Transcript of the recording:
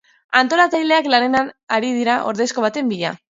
Antolatzaileak lanean ari dira ordezko baten bila.